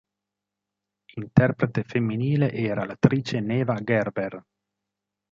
Interprete femminile, era l'attrice Neva Gerber.